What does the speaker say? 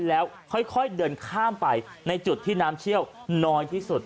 แล้วค่อยเดินข้ามไปในจุดที่น้ำเชี่ยวน้อยที่สุด